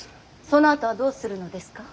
そのあとはどうするのですか。